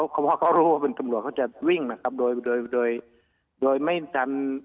เขารู้ว่าเป็นสำหรับเขาจะวิ่งนะครับโดยไม่ทัน